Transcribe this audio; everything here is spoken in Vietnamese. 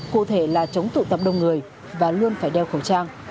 cụ thể là chống tụ tập đông người và luôn phải đeo khẩu trang